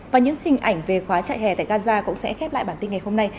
và những hình ảnh về khóa chạy hè tại gaza cũng sẽ khép lại bản tin ngày hôm nay